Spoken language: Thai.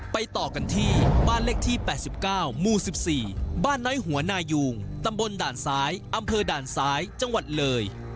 ต่อกันที่บ้านเลขที่๘๙หมู่๑๔บ้านน้อยหัวนายุงตำบลด่านซ้ายอำเภอด่านซ้ายจังหวัดเลย